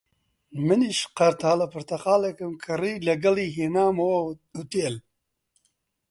منیش قەرتاڵە پرتەقاڵێکم کڕی، لەگەڵی هێنامەوە ئوتێل